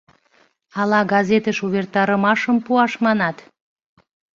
Ала газетыш увертарымашым пуаш манат?